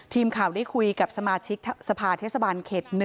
ทีมข่าวได้คุยกับสมาชิกสภาเทศบาลเขต๑